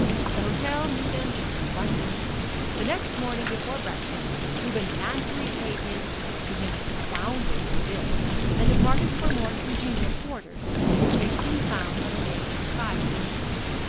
The hotel knew them just one night. The next morning before breakfast Reuben manfully paid his to him astounding bill and departed for more congenial quarters, which they soon found on a neighboring side street.